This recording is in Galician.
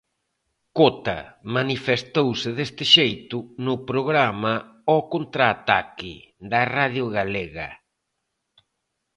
Cota manifestouse deste xeito no programa Ao Contraataque da Radio Galega.